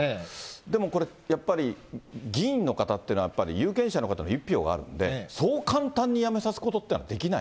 でもこれ、やっぱり議員の方っていうのは、やっぱり有権者の方の１票があるんで、そう簡単に辞めさすことってできない？